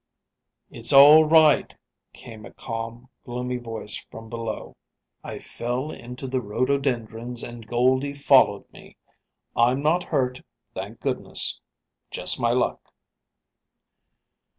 "It's all right," came a calm, gloomy voice from below. "I fell into the rhododendrons, and Goldie followed me. I'm not hurt, thank goodness! Just my luck!"